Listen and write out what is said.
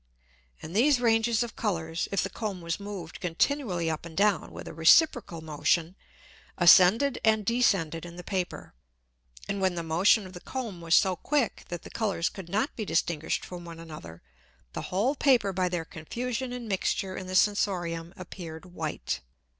And these Ranges of Colours, if the Comb was moved continually up and down with a reciprocal Motion, ascended and descended in the Paper, and when the Motion of the Comb was so quick, that the Colours could not be distinguished from one another, the whole Paper by their Confusion and Mixture in the Sensorium appeared white.